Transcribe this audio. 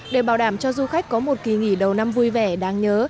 để bảo đảm cho du khách có một kỳ nghỉ đầu năm vui vẻ đáng nhớ